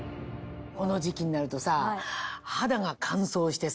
この時期になるとさ肌が乾燥してさ。